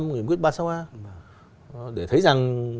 nghị quyết ba mươi sáu a để thấy rằng